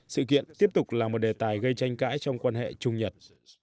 sự kiện tiếp tục là một đề tài gây tranh cãi trong quan hệ trung nhật